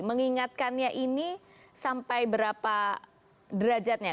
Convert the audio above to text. mengingatkannya ini sampai berapa derajatnya